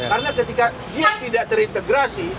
karena ketika dia tidak terintegrasi